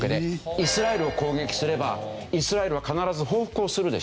イスラエルを攻撃すればイスラエルは必ず報復をするでしょ？